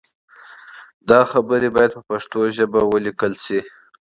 دا خبرې باید په پښتو ژبه ولیکل شي.